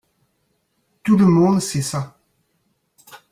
Tout le monde sait ça.